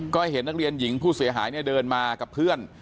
ก็เห็นนักเรียนหญิงผู้เสียหายเนี่ยเดินมากับเพื่อน